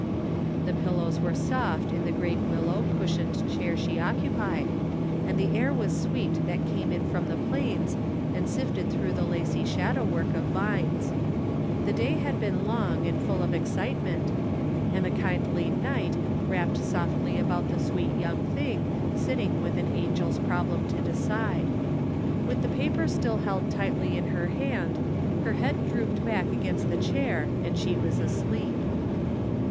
The pillows were soft in the great willow, cushioned chair she occupied, and the air was sweet that came in from the plains and sifted through the lacy shadow work of vines. The day had been long and full of excitement, and the kindly night wrapped softly about the young sweet thing sitting with an angel's problem 114 THE FINDING OF JASPER HOLT to decide. With the paper still held tightly in her hand, her liead drooped back against the chair and she was asleep.